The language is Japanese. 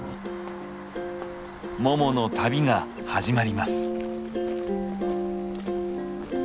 ももの旅が始まります。